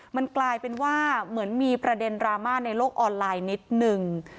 มันกลายเป็นว่าเหมือนมีประเด็นดราม่าในโลกออนไลน์นิดนึง